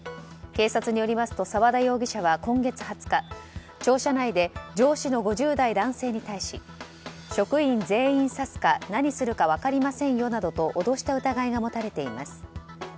警察によりますと澤田容疑者は今月２０日庁舎内で上司の５０代男性に対し職員全員刺すか何するか分かりませんよなどと脅した疑いが持たれています。